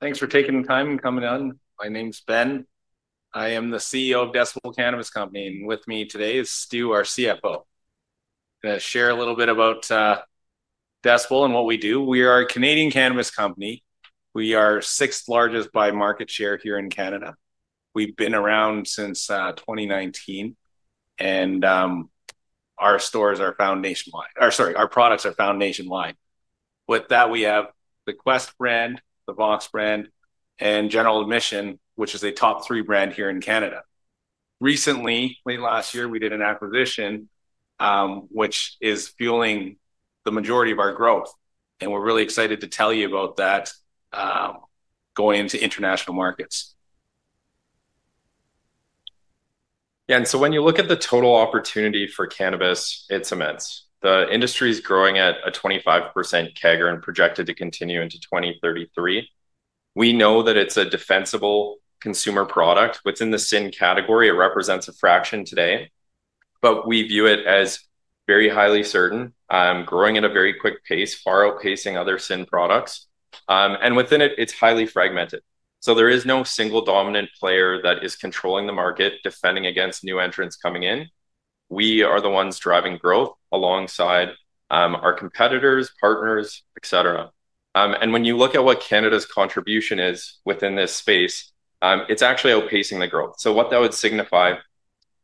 Thanks for taking the time and coming on. My name is Ben. I am the CEO of Decibel Cannabis Company, and with me today is Stu, our CFO. I'm going to share a little bit about Decibel and what we do. We are a Canadian cannabis company. We are the sixth largest by market share here in Canada. We've been around since 2019, and our stores are found nationwide. Our products are found nationwide. With that, we have the Qwest brand, the Vox brand, and General Admission, which is a top-three brand here in Canada. Recently, late last year, we did an acquisition, which is fueling the majority of our growth, and we're really excited to tell you about that, going into international markets. When you look at the total opportunity for cannabis, it's immense. The industry is growing at a 25% CAGR and projected to continue into 2033. We know that it's a defensible consumer product. Within the sin category, it represents a fraction today, but we view it as very highly certain, growing at a very quick pace, far outpacing other sin products. Within it, it's highly fragmented. There is no single dominant player that is controlling the market, defending against new entrants coming in. We are the ones driving growth alongside our competitors, partners, etc. When you look at what Canada's contribution is within this space, it's actually outpacing the growth. What that would signify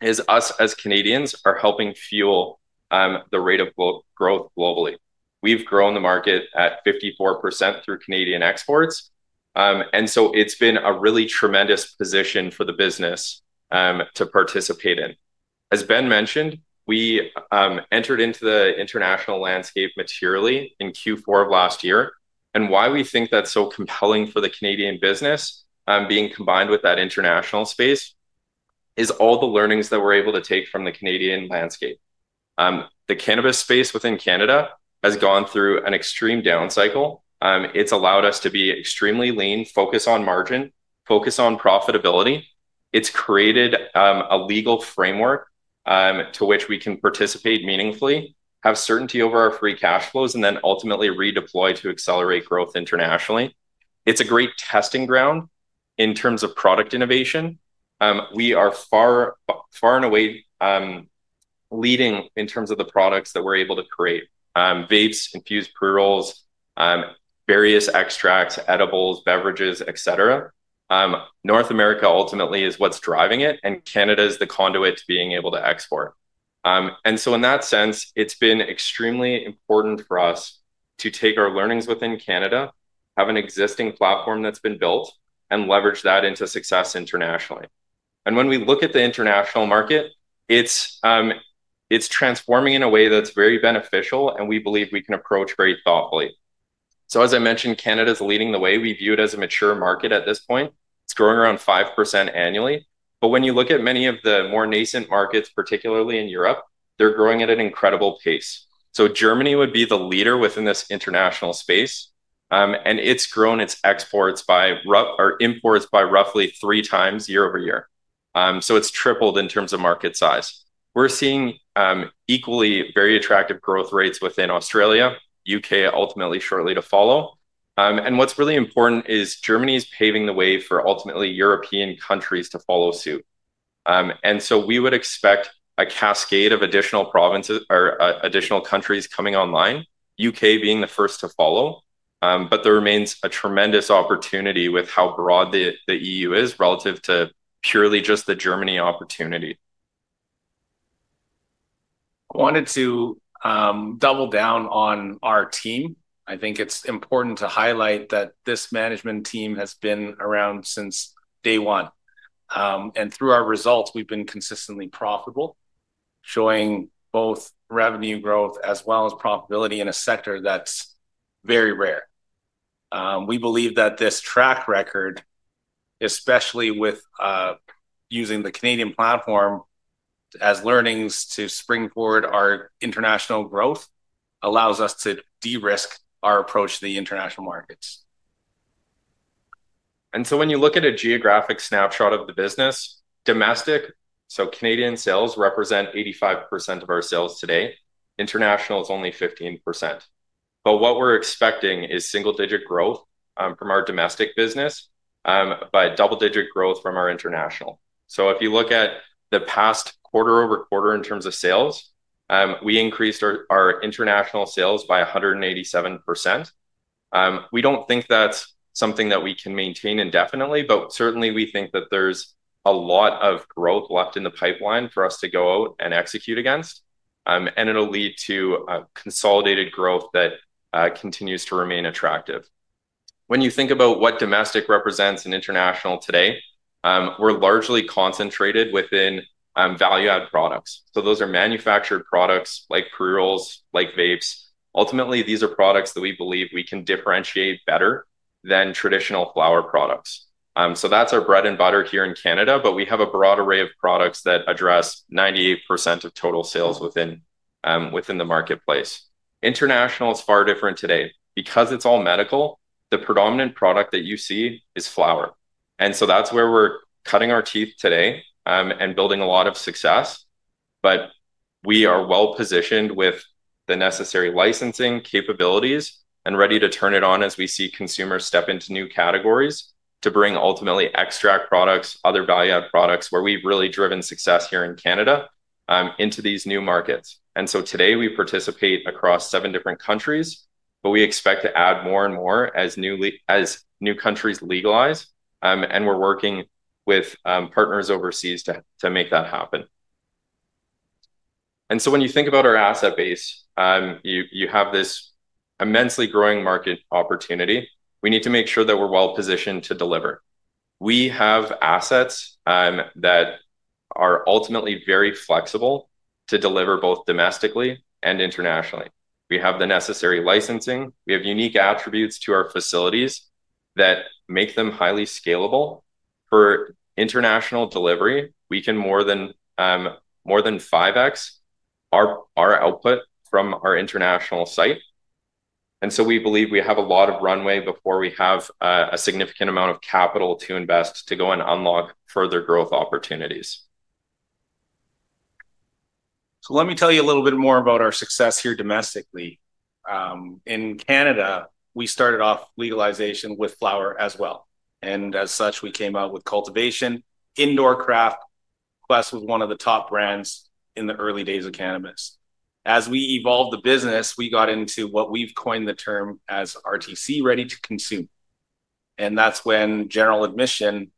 is us as Canadians are helping fuel the rate of growth globally. We've grown the market at 54% through Canadian exports, and it's been a really tremendous position for the business to participate in. As Ben mentioned, we entered into the international landscape materially in Q4 of last year. Why we think that's so compelling for the Canadian business, being combined with that international space, is all the learnings that we're able to take from the Canadian landscape. The cannabis space within Canada has gone through an extreme down cycle. It's allowed us to be extremely lean, focus on margin, focus on profitability. It's created a legal framework to which we can participate meaningfully, have certainty over our free cash flows, and then ultimately redeploy to accelerate growth internationally. It's a great testing ground in terms of product innovation. We are far, far and away, leading in terms of the products that we're able to create, vapes, infused pre-rolls, various extracts, edibles, beverages, etc. North America ultimately is what's driving it, and Canada is the conduit to being able to export. In that sense, it's been extremely important for us to take our learnings within Canada, have an existing platform that's been built, and leverage that into success internationally. When we look at the international market, it's transforming in a way that's very beneficial, and we believe we can approach very thoughtfully. As I mentioned, Canada is leading the way. We view it as a mature market at this point. It's growing around 5% annually. When you look at many of the more nascent markets, particularly in Europe, they're growing at an incredible pace. Germany would be the leader within this international space, and it's grown its exports by, or imports by, roughly 3x year-over-year. It's tripled in terms of market size. We're seeing equally very attractive growth rates within Australia, U.K. ultimately shortly to follow. What's really important is Germany's paving the way for ultimately European countries to follow suit. We would expect a cascade of additional provinces or additional countries coming online, U.K. being the first to follow. There remains a tremendous opportunity with how broad the EU is relative to purely just the Germany opportunity. I wanted to double down on our team. I think it's important to highlight that this management team has been around since day one, and through our results, we've been consistently profitable, showing both revenue growth as well as profitability in a sector that's very rare. We believe that this track record, especially with using the Canadian platform as learnings to springboard our international growth, allows us to de-risk our approach to the international markets. When you look at a geographic snapshot of the business, domestic, so Canadian sales represent 85% of our sales today. International is only 15%. What we're expecting is single-digit growth from our domestic business, but double-digit growth from our international. If you look at the past quarter-over-quarter in terms of sales, we increased our international sales by 187%. We don't think that's something that we can maintain indefinitely, but certainly we think that there's a lot of growth left in the pipeline for us to go out and execute against, and it'll lead to consolidated growth that continues to remain attractive. When you think about what domestic represents and international today, we're largely concentrated within value-added products. Those are manufactured products like pre-rolls, like vapes. Ultimately, these are products that we believe we can differentiate better than traditional flower products. That's our bread and butter here in Canada, but we have a broad array of products that address 98% of total sales within the marketplace. International is far different today because it's all medical. The predominant product that you see is flower, and that's where we're cutting our teeth today and building a lot of success. We are well positioned with the necessary licensing capabilities and ready to turn it on as we see consumers step into new categories to bring ultimately extract products, other value-added products where we've really driven success here in Canada, into these new markets. Today we participate across seven different countries, but we expect to add more and more as new countries legalize, and we're working with partners overseas to make that happen. When you think about our asset base, you have this immensely growing market opportunity. We need to make sure that we're well positioned to deliver. We have assets that are ultimately very flexible to deliver both domestically and internationally. We have the necessary licensing. We have unique attributes to our facilities that make them highly scalable. For international delivery, we can more than 5x our output from our international site. We believe we have a lot of runway before we have a significant amount of capital to invest to go and unlock further growth opportunities. Let me tell you a little bit more about our success here domestically. In Canada, we started off legalization with flower as well. As such, we came out with cultivation, indoor craft. Qwest was one of the top brands in the early days of cannabis. As we evolved the business, we got into what we've coined the term as RTC, ready to consume. That's when General Admission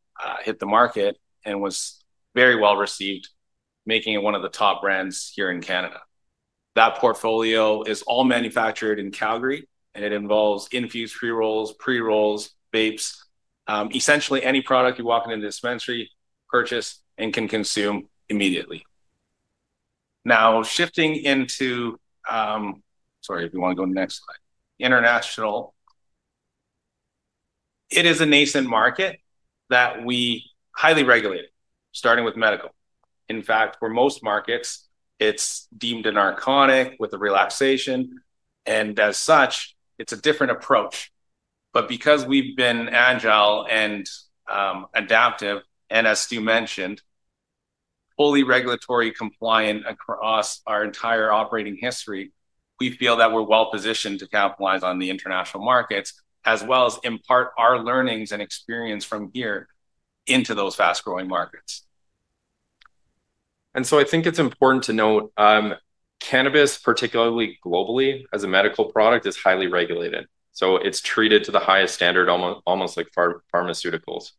hit the market and was very well received, making it one of the top brands here in Canada. That portfolio is all manufactured in Calgary, and it involves infused pre-rolls, pre-rolls, vapes, essentially any product you walk into the dispensary, purchase, and can consume immediately. Now, shifting into international, it is a nascent market that we highly regulate, starting with medical. In fact, for most markets, it's deemed a narcotic with a relaxation, and as such, it's a different approach. Because we've been agile and adaptive, and as Stu mentioned, fully regulatory compliant across our entire operating history, we feel that we're well positioned to capitalize on the international markets, as well as impart our learnings and experience from here into those fast-growing markets. I think it's important to note, cannabis, particularly globally, as a medical product, is highly regulated. It's treated to the highest standard, almost like pharmaceuticals.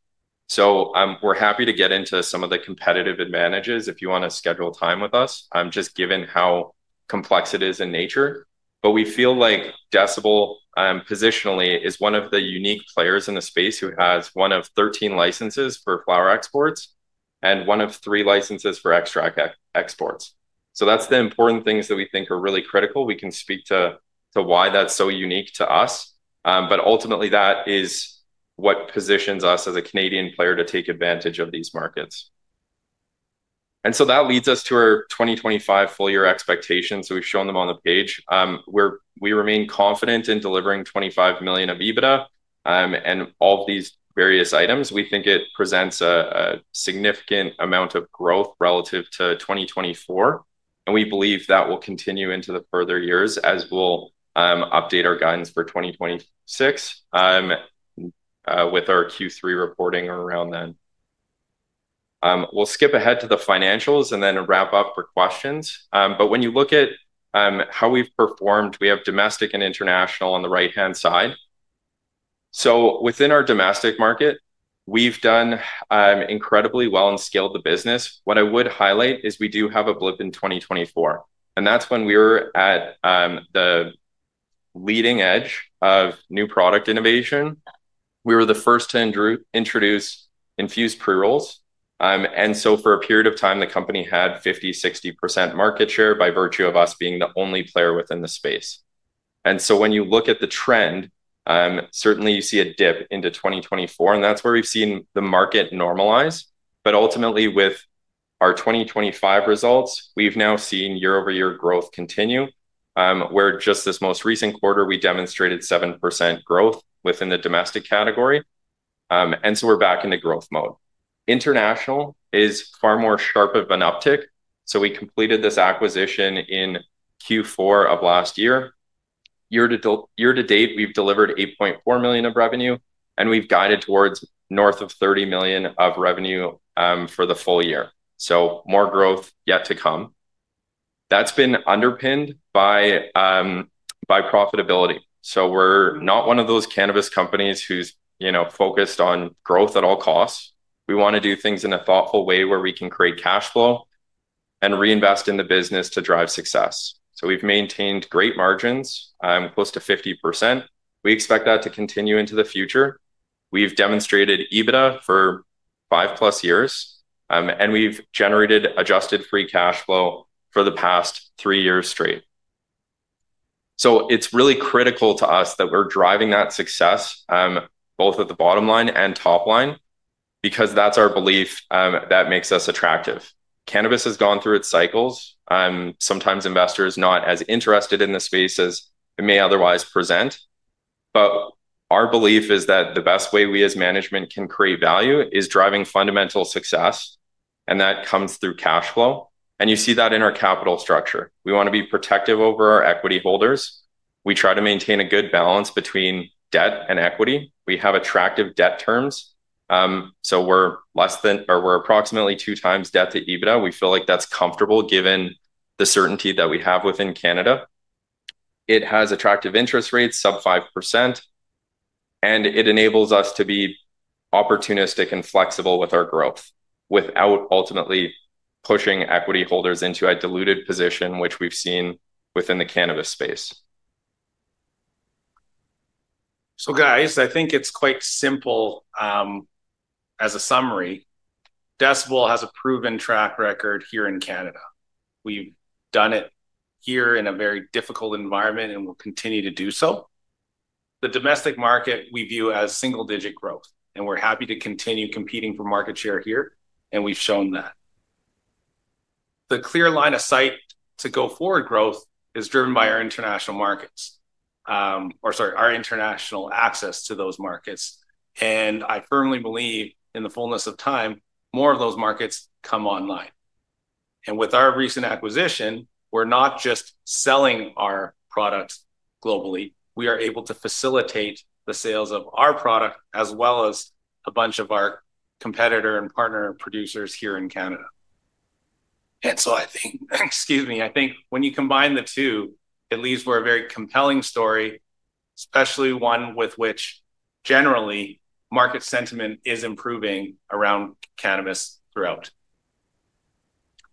We're happy to get into some of the competitive advantages if you want to schedule time with us, just given how complex it is in nature. We feel like Decibel, positionally, is one of the unique players in the space who has one of 13 licenses for flower exports and one of three licenses for extract exports. Those are the important things that we think are really critical. We can speak to why that's so unique to us. Ultimately, that is what positions us as a Canadian player to take advantage of these markets. That leads us to our 2025 full-year expectations. We've shown them on the page. We remain confident in delivering $25 million of EBITDA, and all of these various items. We think it presents a significant amount of growth relative to 2024. We believe that will continue into the further years as we'll update our guidance for 2026 with our Q3 reporting around then. We'll skip ahead to the financials and then wrap up for questions. When you look at how we've performed, we have domestic and international on the right-hand side. Within our domestic market, we've done incredibly well and scaled the business. What I would highlight is we do have a blip in 2024. That's when we were at the leading edge of new product innovation. We were the first to introduce infused pre-rolls, and for a period of time, the company had 50%, 60% market share by virtue of us being the only player within the space. When you look at the trend, certainly you see a dip into 2024, and that's where we've seen the market normalize. Ultimately, with our 2025 results, we've now seen year-over-year growth continue, where just this most recent quarter we demonstrated 7% growth within the domestic category, and we're back into growth mode. International is far more sharp of an uptick. We completed this acquisition in Q4 of last year. Year to date, we've delivered $8.4 million of revenue, and we've guided towards north of $30 million of revenue for the full year. More growth yet to come. That's been underpinned by profitability. We're not one of those cannabis companies who's focused on growth at all costs. We want to do things in a thoughtful way where we can create cash flow and reinvest in the business to drive success. We've maintained great margins, close to 50%. We expect that to continue into the future. We've demonstrated EBITDA for 5+ years, and we've generated adjusted free cash flow for the past three years straight. It's really critical to us that we're driving that success, both at the bottom line and top line because that's our belief, that makes us attractive. Cannabis has gone through its cycles, sometimes investors not as interested in the space as it may otherwise present. Our belief is that the best way we as management can create value is driving fundamental success, and that comes through cash flow. You see that in our capital structure. We want to be protective over our equity holders. We try to maintain a good balance between debt and equity. We have attractive debt terms, so we're less than, or we're approximately two times debt-to-EBITDA. We feel like that's comfortable given the certainty that we have within Canada. It has attractive interest rates sub 5%, and it enables us to be opportunistic and flexible with our growth without ultimately pushing equity holders into a diluted position, which we've seen within the cannabis space. I think it's quite simple. As a summary, Decibel has a proven track record here in Canada. We've done it here in a very difficult environment and will continue to do so. The domestic market we view as single-digit growth, and we're happy to continue competing for market share here, and we've shown that. The clear line of sight to go forward growth is driven by our international markets, or sorry, our international access to those markets. I firmly believe in the fullness of time, more of those markets come online. With our recent acquisition, we're not just selling our product globally. We are able to facilitate the sales of our product as well as a bunch of our competitor and partner producers here in Canada. I think when you combine the two, it leaves for a very compelling story, especially one with which generally market sentiment is improving around cannabis throughout.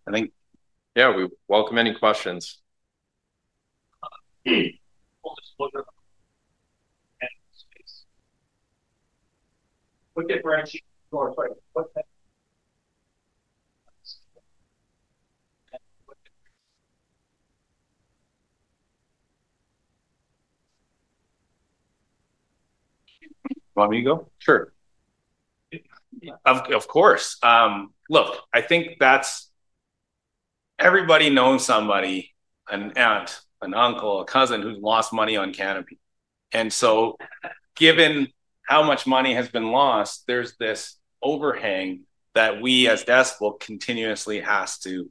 I think we welcome any questions. Want me to go? Sure. Of course. Look, I think that everybody knows somebody, an aunt, an uncle, a cousin who's lost money on cannabis. Given how much money has been lost, there's this overhang that we as Decibel continuously have to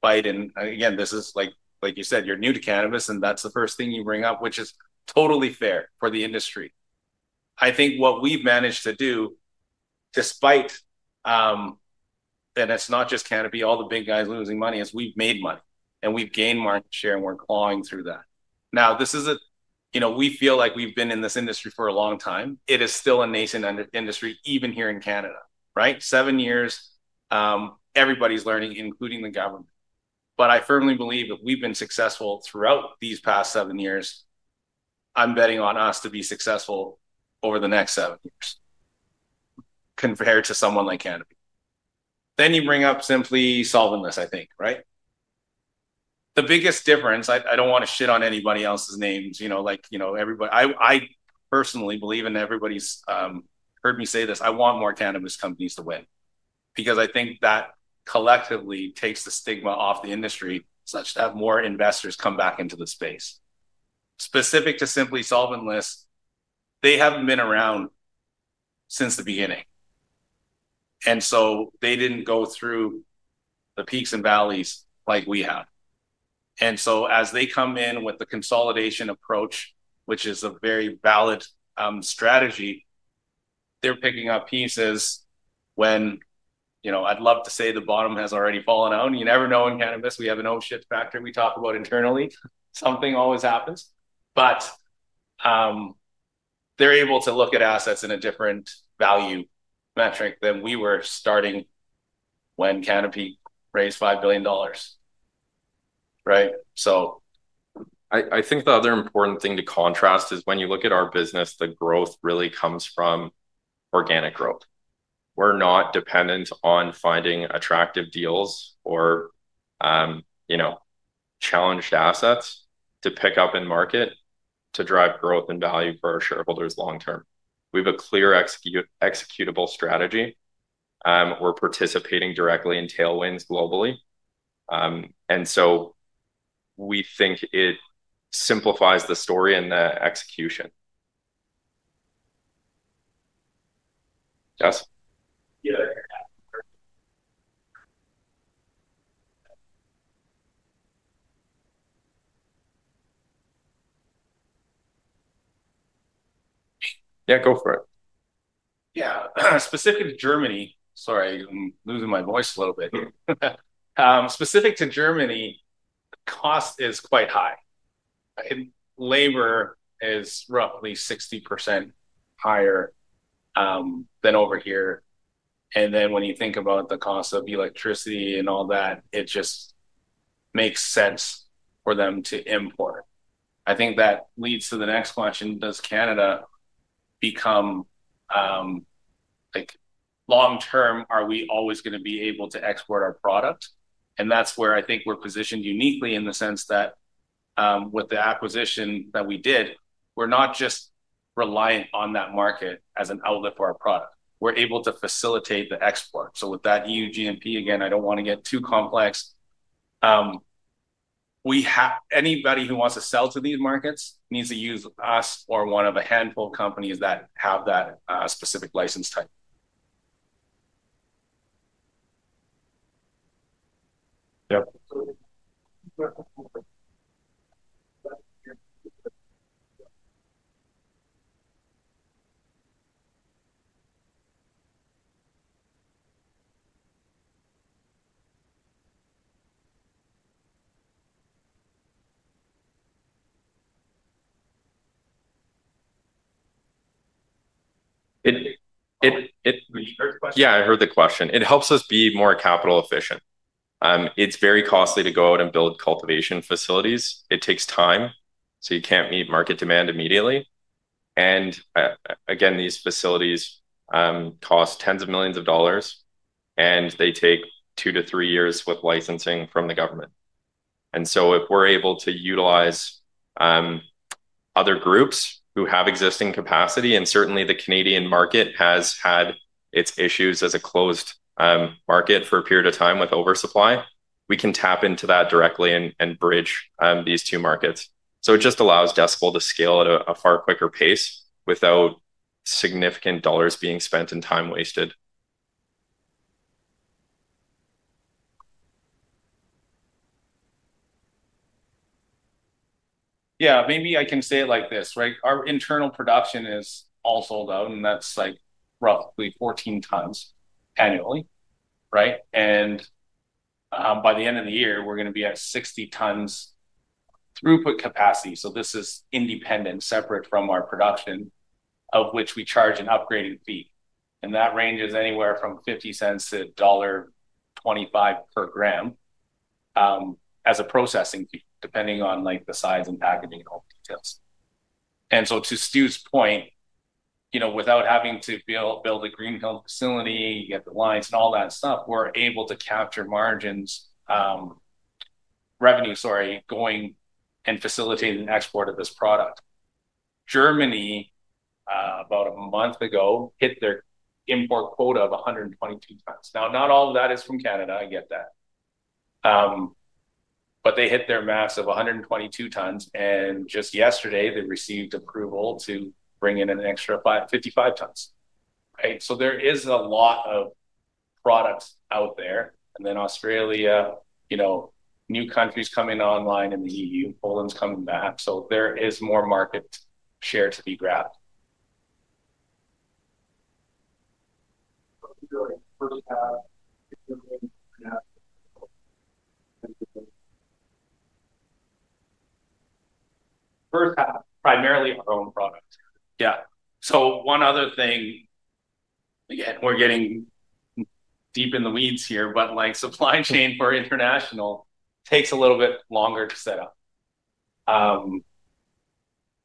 fight. This is like, like you said, you're new to cannabis and that's the first thing you bring up, which is totally fair for the industry. I think what we've managed to do, despite that it's not just cannabis, all the big guys losing money, is we've made money and we've gained market share and we're clawing through that. We feel like we've been in this industry for a long time. It is still a nascent industry even here in Canada, right? Seven years, everybody's learning, including the government. I firmly believe if we've been successful throughout these past seven years, I'm betting on us to be successful over the next seven years compared to someone like cannabis. You bring up Simply Solventless, I think, right? The biggest difference, I don't want to shit on anybody else's names, you know, like, you know, everybody, I personally believe in everybody's, heard me say this, I want more cannabis companies to win because I think that collectively takes the stigma off the industry such that more investors come back into the space. Specific to Simply Solventless, they have been around since the beginning. They didn't go through the peaks and valleys like we have. As they come in with the consolidation approach, which is a very valid strategy, they're picking up pieces when, you know, I'd love to say the bottom has already fallen out. You never know in cannabis, we have an oh shit factor we talk about internally. Something always happens. They're able to look at assets in a different value metric than we were starting when Canopy raised $5 billion. Right? I think the other important thing to contrast is when you look at our business, the growth really comes from organic growth. We're not dependent on finding attractive deals or challenged assets to pick up in market to drive growth and value for our shareholders long term. We have a clear executable strategy. We're participating directly in tailwinds globally, and we think it simplifies the story and the execution. Yes. Yeah, go for it. Yeah, specific to Germany, sorry, I'm losing my voice a little bit. Specific to Germany, the cost is quite high, and labor is roughly 60% higher than over here. When you think about the cost of electricity and all that, it just makes sense for them to import. I think that leads to the next question. Does Canada become, like long term, are we always going to be able to export our product? That's where I think we're positioned uniquely in the sense that, with the acquisition that we did, we're not just reliant on that market as an outlet for our product. We're able to facilitate the export. With that EU GMP, again, I don't want to get too complex. We have, anybody who wants to sell to these markets needs to use us or one of a handful of companies that have that specific license type. Yeah, I heard the question. It helps us be more capital efficient. It's very costly to go out and build cultivation facilities. It takes time, so you can't meet market demand immediately. These facilities cost tens of millions of dollars, and they take two to three years with licensing from the government. If we're able to utilize other groups who have existing capacity, and certainly the Canadian market has had its issues as a closed market for a period of time with oversupply, we can tap into that directly and bridge these two markets. It just allows Decibel to scale at a far quicker pace without significant dollars being spent and time wasted. Yeah, maybe I can say it like this, right? Our internal production is all sold out, and that's like roughly 14 tons annually, right? By the end of the year, we're going to be at 60 tons throughput capacity. This is independent, separate from our production, of which we charge an upgrading fee. That ranges anywhere from $0.50-$1.25 per gram as a processing fee, depending on the size and packaging and all the details. To Stu's point, without having to build a greenfield facility, you get the lines and all that stuff, we're able to capture margins, revenue, sorry, going and facilitating the export of this product. Germany, about a month ago, hit their import quota of 122 tons. Not all of that is from Canada, I get that. They hit their mass of 122 tons, and just yesterday, they received approval to bring in an extra 55 tons. There is a lot of products out there, and then Australia, new countries coming online in the EU, Poland's coming back. There is more market share to be grabbed. First half, primarily our own product. One other thing, again, we're getting deep in the weeds here, but supply chain for international takes a little bit longer to set up.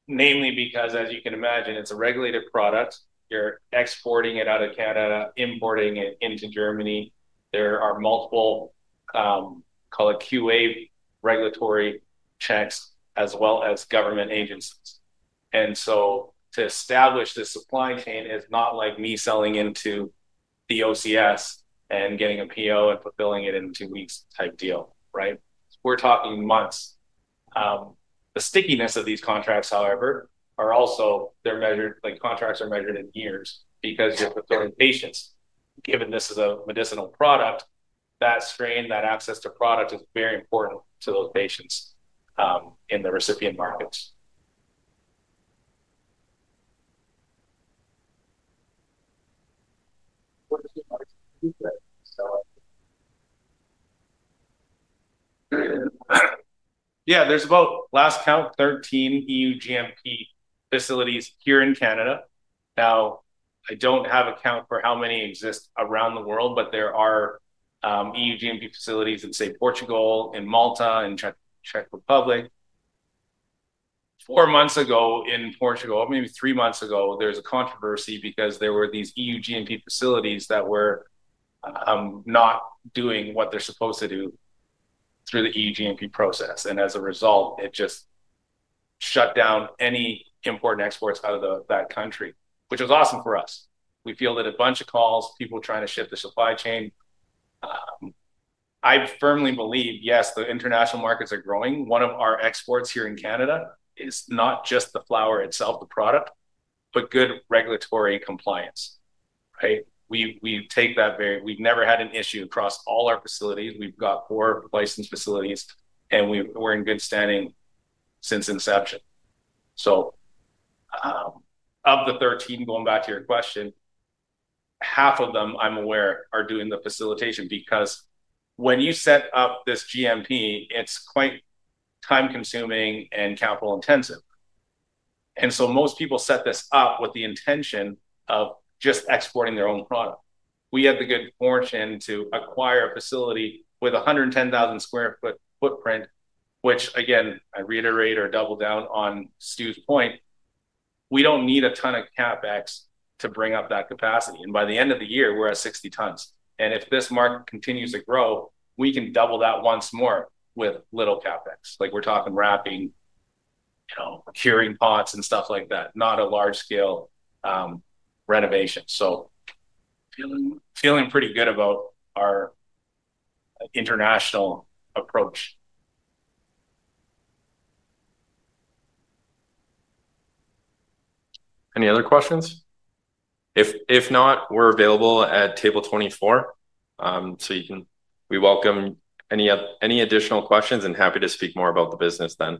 Namely because, as you can imagine, it's a regulated product. You're exporting it out of Canada, importing it into Germany. There are multiple, call it QA regulatory checks, as well as government agencies. To establish this supply chain is not like me selling into the OCS and getting a PO and fulfilling it in two weeks type deal, right? We're talking months. The stickiness of these contracts, however, they're measured, like contracts are measured in years because you're fulfilling patients. Given this is a medicinal product, that strain, that access to product is very important to those patients in the recipient markets. There's about, last count, 13 EU GMP-certified facilities here in Canada. I don't have a count for how many exist around the world, but there are EU GMP-certified facilities in, say, Portugal, in Malta, in the Czech Republic. Four months ago in Portugal, maybe three months ago, there was a controversy because there were these EU GMP-certified facilities that were not doing what they're supposed to do through the EU GMP process. As a result, it just shut down any important exports out of that country, which was awesome for us. We fielded a bunch of calls, people trying to shift the supply chain. I firmly believe, yes, the international markets are growing. One of our exports here in Canada is not just the flower itself, the product, but good regulatory compliance. We take that very, we've never had an issue across all our facilities. We've got four licensed facilities, and we're in good standing since inception. Of the 13, going back to your question, half of them, I'm aware, are doing the facilitation because when you set up this GMP, it's quite time-consuming and capital-intensive. Most people set this up with the intention of just exporting their own product. We had the good fortune to acquire a facility with a 110,000 sq ft footprint, which, again, I reiterate or double down on Stu's point, we don't need a ton of CapEx to bring up that capacity. By the end of the year, we're at 60 tons. If this market continues to grow, we can double that once more with little CapEx. We're talking wrapping, curing pots and stuff like that, not a large-scale renovation. Feeling pretty good about our international approach. Any other questions? If not, we're available at table 24. You can, we welcome any other, any additional questions and happy to speak more about the business then.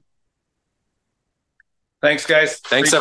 Thanks, guys. Thanks.